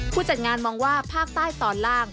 ผู้จัดงานมองว่าภาคใต้ตอนล่าง